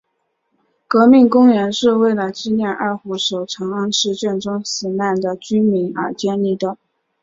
革命公园是为了纪念二虎守长安事件中死难的军民而建立的。